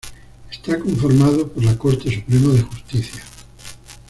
Está conformado por la Corte Suprema de Justicia.